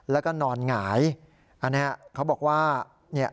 แล้วก็นอนหงายอันนี้เขาบอกว่าเนี่ย